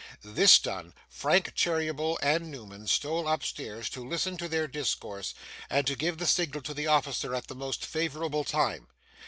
This done, Frank Cheeryble and Newman stole upstairs to listen to their discourse, and to give the signal to the officer at the most favourable time.